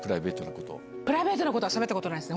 ププライベートのことはしゃべったことないです。